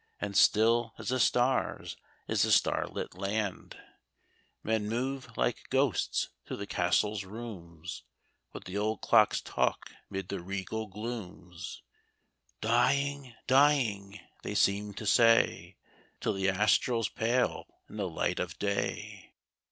And still as the stars is the star lit land. THE CLOCKS OF KENILWORTH. 8l Men move like ghosts through the Castle's rooms, But the old clocks talk 'mid the regal glooms :— Dying — dying," they seem to say. Till the astrals pale in the light of day.